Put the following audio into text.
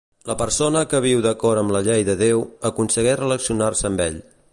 La persona que viu d'acord amb la llei de Déu, aconsegueix relacionar-se amb ell.